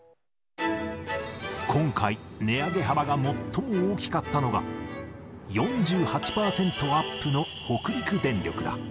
今回、値上げ幅が最も大きかったのが、４８％アップの北陸電力だ。